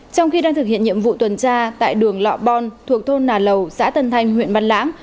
trong khi đang thực hiện nhiệm vụ tuần tra tại đường lọ bon thuộc thôn nà lầu xã tân thanh huyện văn lãng